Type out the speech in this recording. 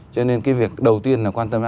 cho nên cái việc đầu tiên là quan tâm đến an toàn